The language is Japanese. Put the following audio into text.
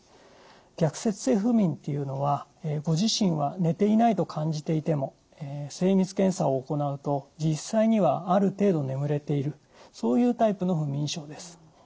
逆説性不眠というのはご自身は寝ていないと感じていても精密検査を行うと実際にはある程度眠れているそういうタイプの不眠症です。